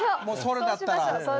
もうそれだったら。